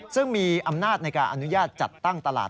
ซึ่งมีอำนาจในการอนุญาตจัดตั้งตลาด